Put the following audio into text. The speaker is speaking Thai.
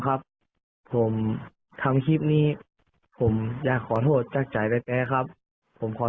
ครับผมทำคลิปนี้ผมอยากขอโทษจากใจแป๊ครับผมขอ